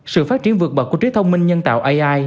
sự phát triển vượt bậc của trí thông minh nhân tạo ai